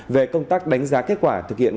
về công tác đánh giá kết quả thực hiện